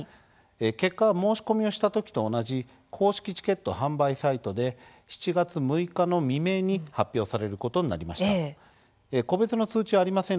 結果は申し込みをしたときと同じ公式チケット販売サイトで７月６日の未明に発表されることになりました。